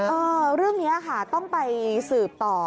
เออเรื่องนี้ค่ะต้องไปสืบต่อ